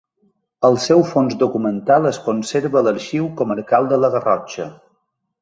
El seu fons documental es conserva a l'Arxiu Comarcal de la Garrotxa.